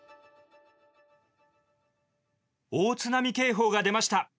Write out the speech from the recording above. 大津波警報が出ました！